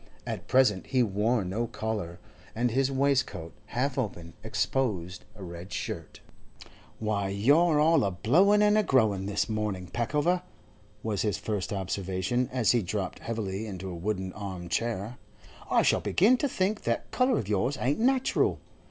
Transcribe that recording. At present he wore no collar, and his waistcoat, half open, exposed a red shirt. 'Why, you're all a blowin' and a growin' this morning, Peckover,' was his first observation, as he dropped heavily into a wooden arm chair. 'I shall begin to think that colour of yours ain't natural.